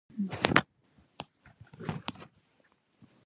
زړه ښځه پۀ زړۀ نرۍ وه ـ